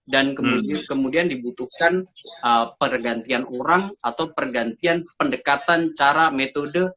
dan kemudian dibutuhkan pergantian orang atau pergantian pendekatan cara metode